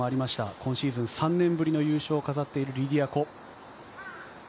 今シーズン３年ぶりの優勝を飾っているリディア・コ。